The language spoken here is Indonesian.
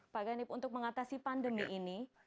pak ganip untuk mengatasi pandemi ini